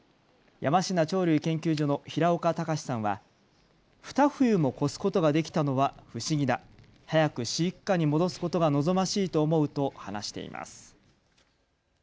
山階鳥類研究所の平岡孝さんはふた冬も越すことができたのは不思議だ。早く飼育下に戻すことが望ましいと思うと話しています。